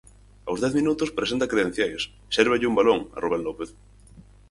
Aos dez minutos presenta credenciais: sérvelle un balón a Rubén López.